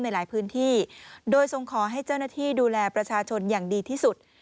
หลายพื้นที่โดยทรงขอให้เจ้าหน้าที่ดูแลประชาชนอย่างดีที่สุด